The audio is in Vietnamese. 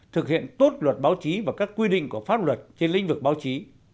thực hiện tốt luật báo chí và các quy định của pháp luật trên lĩnh vực báo chí